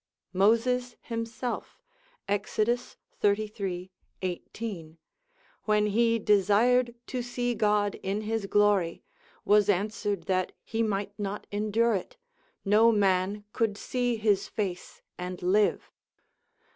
Moses himself, Exod. xxxiii. 18. when he desired to see God in his glory, was answered that he might not endure it, no man could see his face and live.